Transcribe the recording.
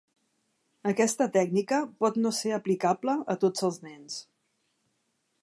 Aquesta tècnica pot no ser aplicable a tots els nens.